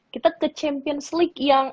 kita ke champions league yang